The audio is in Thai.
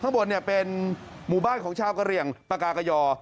ข้างบนเป็นหมู่บ้านของชาวกะเหลี่ยงปากากยอ